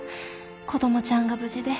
子どもちゃんが無事で。